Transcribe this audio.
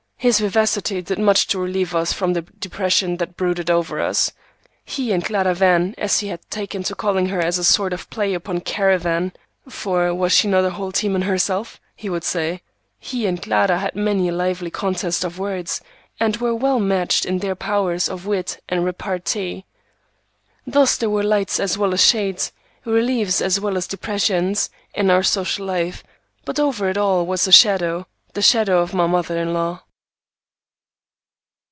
His vivacity did much to relieve us from the depression that brooded over us. He and Clara Van, as he had taken to calling her as a sort of play upon caravan,—for was she not a whole team in herself? he would say,—he and Clara had many a lively contest of words, and were well matched in their powers of wit and repartee. Thus there were lights as well as shades, relief as well as depression, in our social life, but over it all was a shadow, the shadow of my mother in law.